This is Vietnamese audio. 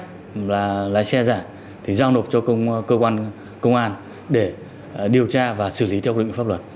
cơ quan cảnh sát điều tra cơ quan thông tin nội đề nghị những người đang sử dụng những giấy phép lái xe giả thì giao nộp cho cơ quan công an để điều tra và xử lý theo quy định của pháp luật